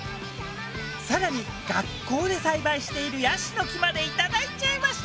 更に学校で栽培しているヤシの木まで頂いちゃいました。